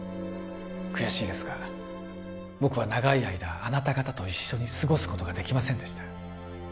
悔しいですが僕は長い間あなた方と一緒に過ごすことができませんでした